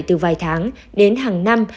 từ vài tháng đến hàng năm